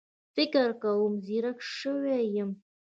فکر کوم ځيرک شوی يم